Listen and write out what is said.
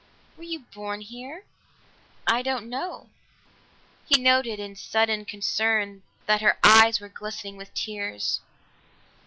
"Were you born here?" "I don't know." He noted in sudden concern that her eyes were glistening with tears.